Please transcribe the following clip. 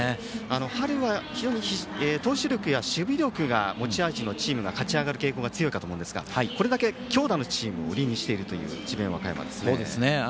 春は非常に投手力や守備力が持ち味のチームが勝ち上がる傾向が強いかと思うんですがこれだけ強打のチームを売りにしている智弁和歌山です。